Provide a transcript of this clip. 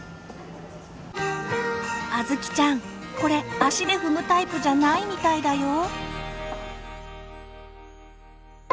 あずきちゃんこれ足で踏むタイプじゃないみたいだよ。